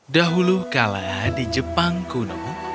dahulu kala di jepang kuno